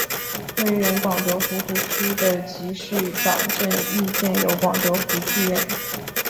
位于原广德湖湖区的集士港镇亦建有广德湖剧院。